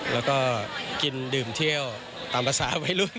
แล้วก็กินดื่มเที่ยวตามภาษาวัยรุ่น